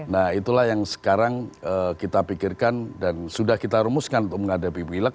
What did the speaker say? nah itulah yang sekarang kita pikirkan dan sudah kita rumuskan untuk menghadapi pilek